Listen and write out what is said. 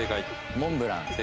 モンブラン。